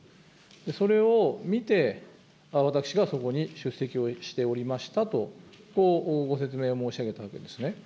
それを見て、私がそこに出席をしておりましたと、こうご説明申し上げたわけですね。